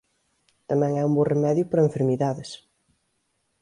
Tamén é un bo remedio para enfermidades.